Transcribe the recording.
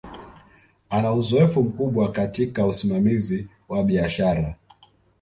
Ana uzoefu mkubwa katika usimamizi wa biashara